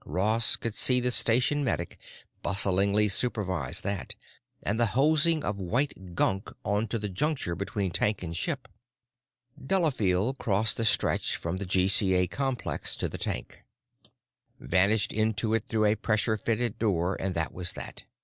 Ross could see the station medic bustlingly supervise that, and the hosing of white gunk onto the juncture between tank and ship. Delafield crossed the stretch from the GCA complex to the tank, vanished into it through a pressure fitted door and that was that.